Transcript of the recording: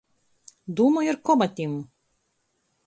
Dūmoj ar komatim!